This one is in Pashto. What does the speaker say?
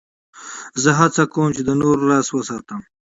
زه هڅه کوم، چي د نورو راز وساتم.